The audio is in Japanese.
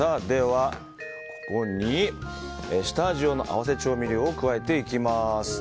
では、ここに下味用の合わせ調味料を加えていきます。